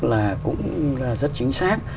là cũng rất chính xác